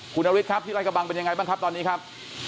คุณนาริสครับที่ราชกระบังเป็นอย่างไรเป็นตอนนี้ครับ